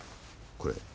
これ。